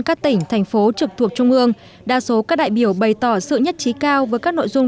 các tỉnh thành phố trực thuộc trung ương đa số các đại biểu bày tỏ sự nhất trí cao với các nội dung